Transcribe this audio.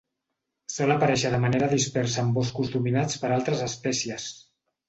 Sol aparèixer de manera dispersa en boscos dominats per altres espècies.